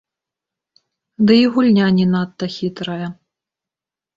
Ды і гульня не надта хітрая.